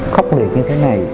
khốc liệt như thế này